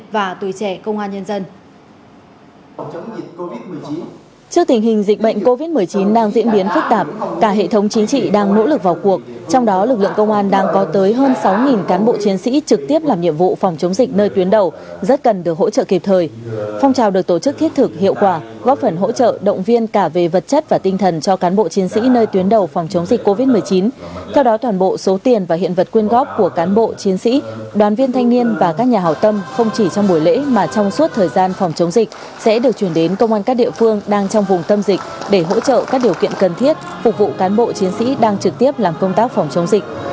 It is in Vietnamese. bữa lễ mà trong suốt thời gian phòng chống dịch sẽ được chuyển đến công an các địa phương đang trong vùng tâm dịch để hỗ trợ các điều kiện cần thiết phục vụ cán bộ chiến sĩ đang trực tiếp làm công tác phòng chống dịch